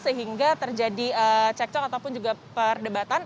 sehingga terjadi cekcok ataupun juga perdebatan